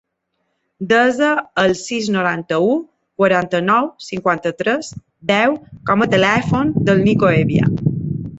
Desa el sis, noranta-u, quaranta-nou, cinquanta-tres, deu com a telèfon del Nico Hevia.